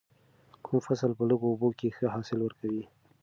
کوم فصل په لږو اوبو کې ښه حاصل ورکوي؟